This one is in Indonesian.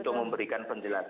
untuk memberikan penjelasan